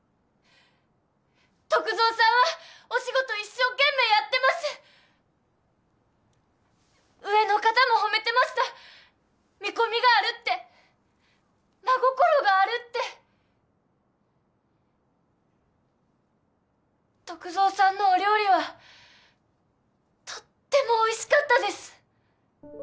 篤蔵さんはお仕事一生懸命やってます上の方も褒めてました見込みがあるって真心があるって篤蔵さんのお料理はとってもおいしかったです